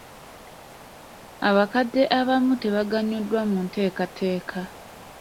Abakadde abamu tabaganyuddwa mu nteekateeka.